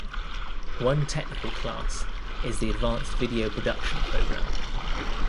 One technical class is the advanced video production program.